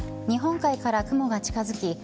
日本海から雲が近づき